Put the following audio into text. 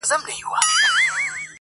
ولي پردۍ مینې ته لېږو د جهاني غزل!